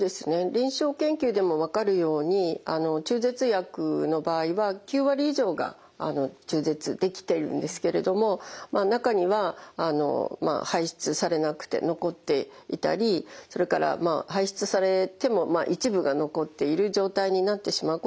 臨床研究でも分かるように中絶薬の場合は９割以上が中絶できているんですけれども中には排出されなくて残っていたりそれから排出されても一部が残っている状態になってしまうことがあります。